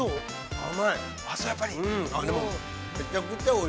◆甘い。